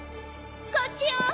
こっちよ。